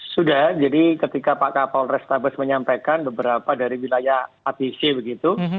sudah jadi ketika pak kapol restabes menyampaikan beberapa dari wilayah atc begitu